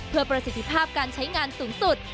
เพื่อประสิทธิภาพการใช้งานสูงสุด